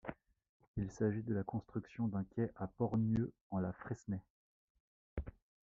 Il s'agit de la construction d'un quai à Port-Nieux en La Fresnaye.